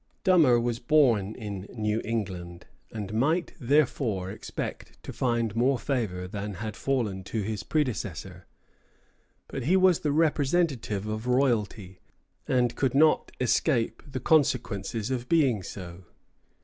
" Dummer was born in New England, and might, therefore, expect to find more favor than had fallen to his predecessor; but he was the representative of royalty, and could not escape the consequences of being so.